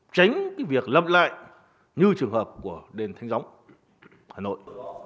tránh cái việc lâm lại như trường hợp của đền thanh gióng hà nội